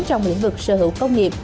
trong lĩnh vực sở hữu công nghiệp